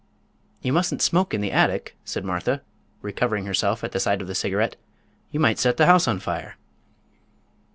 "You mustn't smoke in the attic," said Martha, recovering herself at sight of the cigarette. "You might set the house on fire."